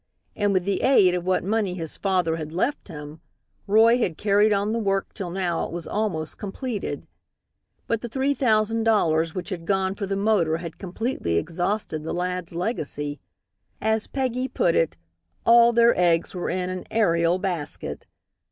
And with the aid of what money his father had left him, Roy had carried on the work till now it was almost completed. But the three thousand dollars which had gone for the motor had completely exhausted the lad's legacy. As Peggy put it, all their eggs were in an "aerial basket."